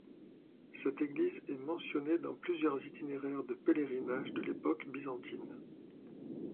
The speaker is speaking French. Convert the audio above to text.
Cette église est mentionnée dans plusieurs itinéraires de pèlerinage de l'époque byzantine.